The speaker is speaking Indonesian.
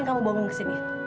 ngapain kamu bonggong kesini